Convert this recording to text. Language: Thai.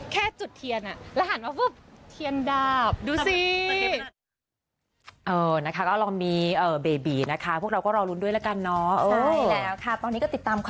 แค่จุดเทียนแล้วหันมาปุ๊บเทียนดาบดูสิ